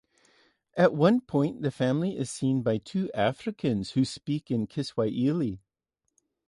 At one point, the family is seen by two Africans, who speak in Kiswahili.